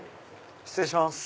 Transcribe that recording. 失礼します。